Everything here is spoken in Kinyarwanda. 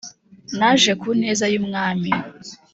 naje ku neza y'umwami